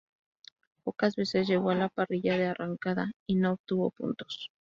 Pocas veces llegó a la parrilla de arrancada y no obtuvo puntos.